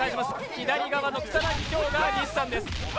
左側の草薙京が西さんです。